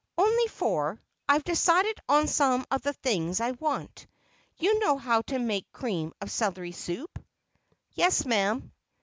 "Only four. I've decided on some of the things I want. You know how to make cream of celery soup?" "Yes, ma'am."